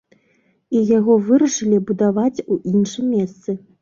І яго вырашылі будаваць у іншым месцы.